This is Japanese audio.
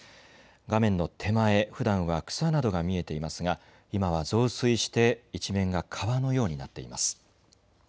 画面の手前、ふだんは草などが見えていますが今は増水して一面が川のようになっています。